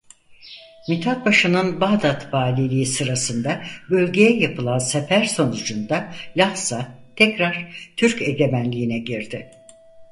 Mithat Paşa'nın Bağdat Valiliği sırasında bölgeye yapılan sefer sonucunda Lahsa tekrar Türk egemenliğine girdi.